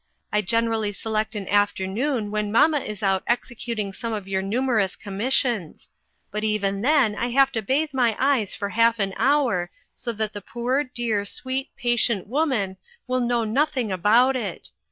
I generally select an afternoon when mamma is out executing some of your numerous commissions; but even then I have to bathe my eyes for half an hour so that the poor, dear, sweet, patient woman will know nothing about it.